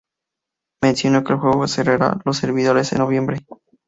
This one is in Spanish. Mencionó que el juego cerrará los servidores en noviembre.